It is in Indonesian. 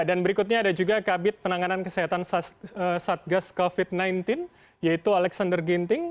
dan berikutnya ada juga kabit penanganan kesehatan satgas covid sembilan belas yaitu alexander ginting